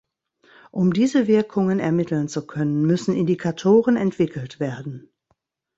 Um diese Wirkungen ermitteln zu können, müssen Indikatoren entwickelt werden.